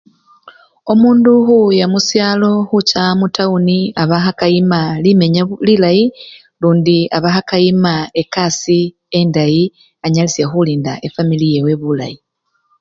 Omundu khuwuya musyalo khucha mutawuni aba khakayima limenya lilayi lundi aba khekayima ekasii endayi anyalisye khulinda efwamili yewe bulayi.